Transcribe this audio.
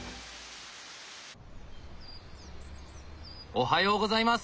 おはようございます！